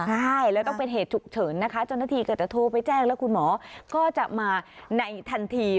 ใช่แล้วต้องเป็นเหตุฉุกเฉินนะคะเจ้าหน้าที่ก็จะโทรไปแจ้งแล้วคุณหมอก็จะมาในทันที